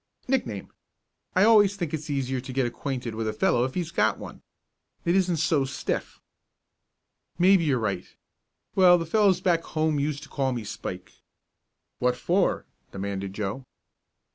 "Nickname. I always think it's easier to get acquainted with a fellow if he's got one. It isn't so stiff." "Maybe you're right. Well, the fellows back home used to call me 'Spike'." "What for?" demanded Joe.